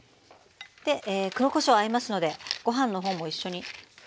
で黒こしょう合いますのでご飯の方も一緒にふって下さい。